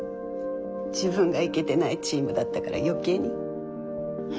自分がイケてないチームだったから余計に。